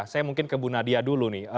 saya mungkin ke bu nadia dulu nih